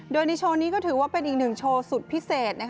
โดยในโชว์นี้ก็ถือว่าเป็นอีกหนึ่งโชว์สุดพิเศษ